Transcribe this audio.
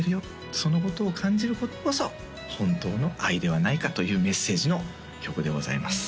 そのことを感じることこそ本当の愛ではないかというメッセージの曲でございます